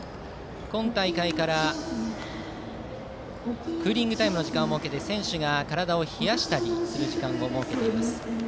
今大会からクーリングタイムの時間を設けて選手が体を冷やしたりする時間を設けています。